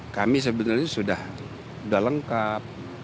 kami sebenarnya sudah lengkap